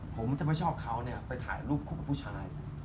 ผมจะไม่ชอบเขาเนี่ยไปถ่ายรูปคู่กับผู้ชาย